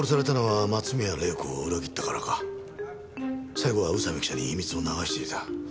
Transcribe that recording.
最後は宇佐美記者に秘密を流していた。